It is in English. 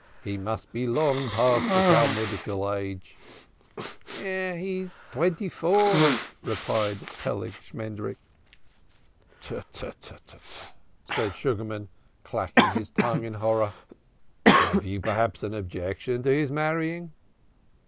He must be long past the Talmudical age." "He is twenty four," replied Peleg Shmendrik. "Tu, tu, tu, tu, tu!" said Sugarman, clacking his tongue in horror, "have you perhaps an objection to his marrying?"